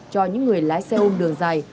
cho những người lái xe ôm đường dài